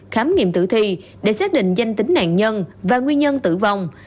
khám nghiệm tử thi để xác định danh tính nạn nhân và nguyên nhân tử vong